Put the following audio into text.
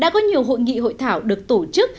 vụ thảo được tổ chức